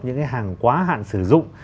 những cái hàng quá hạn sử dụng